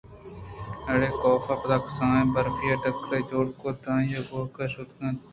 اڑے ؟ کاف ءَ پد ا کسانیں برف ءِ ٹکرے جوڑ کُت ءُآئی ءِ گوک ءَ شت کش اِت